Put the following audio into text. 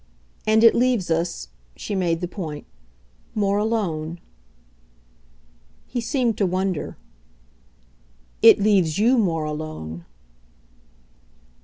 And it leaves us" she made the point "more alone." He seemed to wonder. "It leaves you more alone."